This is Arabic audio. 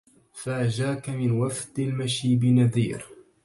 فاجاك من وفد المشيب نذير